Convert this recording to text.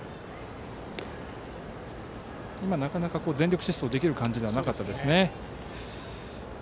今、なかなか全力疾走ができる感じではなかったですね。